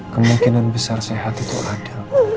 kemungkinan besar sehat itu ada